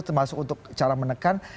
termasuk untuk cara menekan